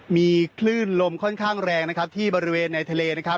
มีคลื่นลมค่อนข้างแรงนะครับที่บริเวณในทะเลนะครับ